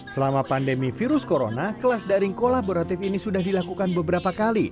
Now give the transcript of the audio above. selama pandemi virus corona kelas daring kolaboratif ini sudah dilakukan beberapa kali